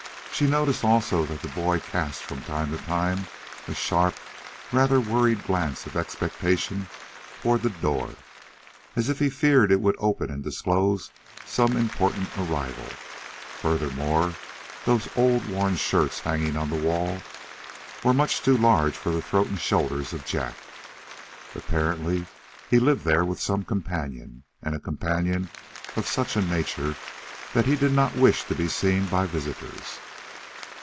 She noticed also that the boy cast, from time to time, a sharp, rather worried glance of expectation toward the door, as if he feared it would open and disclose some important arrival. Furthermore, those old worn shirts hanging on the wall were much too large for the throat and shoulders of Jack. Apparently, he lived there with some companion, and a companion of such a nature that he did not wish him to be seen by visitors.